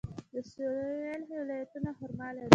د سویل ولایتونه خرما لري.